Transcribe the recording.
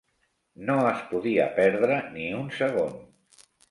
No es podia perdre ni un segon.